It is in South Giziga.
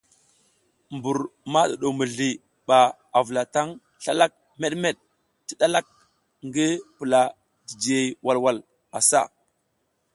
Mbur ma ɗuɗo mizli ɓa vulataŋ slalak meɗmeɗ mi ɗalak ngi pula jijihey walwal asa.